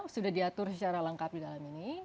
sudah diatur secara lengkap di dalam ini